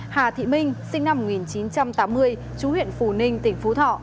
hà thị minh sinh năm một nghìn chín trăm tám mươi chú huyện phù ninh tỉnh phú thọ